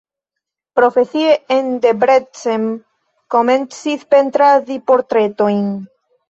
Profesie en Debrecen komencis pentradi portretojn.